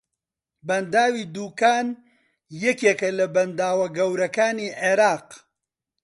بەنداوی دووکان یەکێکە لە بەنداوە گەورەکانی عێراق